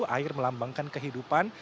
air melambangkan kehidupan